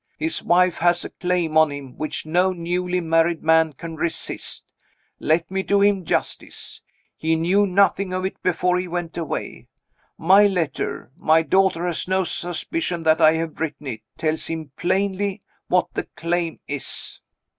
His wife has a claim on him, which no newly married man can resist. Let me do him justice. He knew nothing of it before he went away. My letter my daughter has no suspicion that I have written it tells him plainly what the claim is."